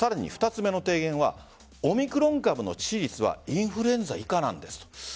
２つ目の提言は、オミクロン株の致死率はインフルエンザ以下なんですと。